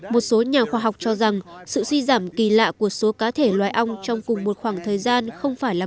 một số nhà khoa học cho rằng sự suy giảm kỳ lạ của số cá thể loài ong trong cùng một khoảng thời gian không phải là